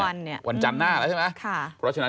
อีก๓วันเนี่ยวันจันทร์หน้าแล้วใช่ไหมค่ะ